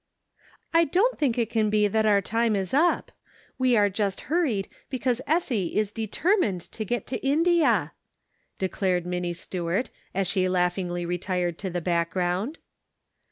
I don't think it can be, that our time is up ; we are just hurried because Essie is de termined to get to India," declared Minnie Stuart, as she laughingly retired to the back ground.